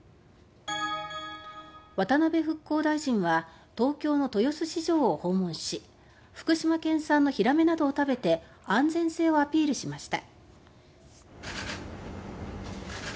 渡辺復興大臣は東京の豊洲市場を訪問し福島県産のヒラメなどを食べて安全性をアピールしました。